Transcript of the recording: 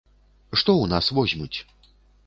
Што ў нас возьмуць?